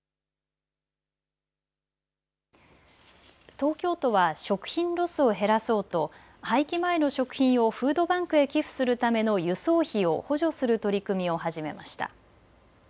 東京都は食品ロスを減らそうと廃棄前の食品をフードバンクへ寄付するための輸送費を補助する取り組みを始めました。